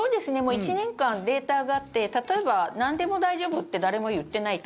１年間データがあって例えば、なんでも大丈夫って誰も言ってないと。